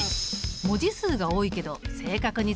文字数が多いけど正確に伝わるかな？